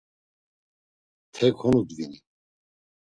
Te konudvini.